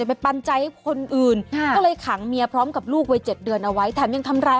ฮะสารพระภูมิสั่งมีไง